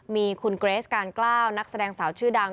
มีคุณเกรสการกล้าวนักแสดงสาวชื่อดัง